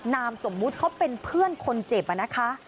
นามสมมุติเขาเป็นเพื่อนคนเจ็บนะคะ